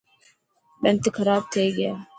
ڏنت خراب ٿي گيا.